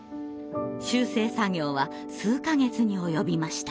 修正作業は数か月に及びました。